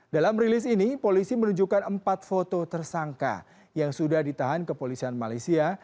dalam rilis ini polisi menunjukkan empat foto tersangka yang sudah ditahan kepolisian malaysia